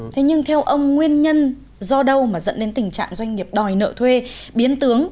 thế nhưng theo ông nguyên nhân do đâu mà dẫn đến tình trạng doanh nghiệp đòi nợ thuê biến tướng